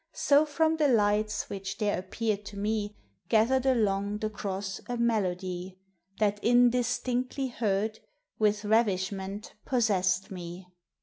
445 So from the lights, which there appeared to me, (lathered along the cross a melody, That, indistinctly heard, with ravishment Possessed me.